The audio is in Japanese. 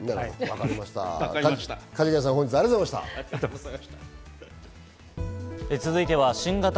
かじがやさん、本日はありがとうございました。